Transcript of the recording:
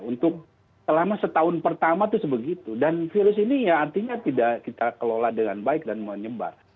untuk selama setahun pertama itu sebegitu dan virus ini ya artinya tidak kita kelola dengan baik dan menyebar